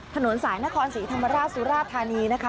ถนนสายนครศรีธรรมราชสุราธานีนะคะ